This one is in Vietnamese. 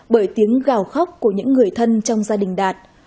bởi tiếng gào khóc của những người thân trong gia đình đạt